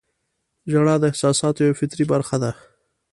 • ژړا د احساساتو یوه فطري برخه ده.